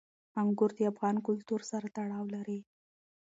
انګور د افغان کلتور سره تړاو لري.